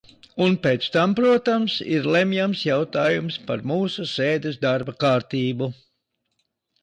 Un pēc tam, protams, ir lemjams jautājums par mūsu sēdes darba kārtību.